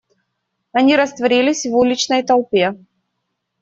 Они растворились в уличной толпе.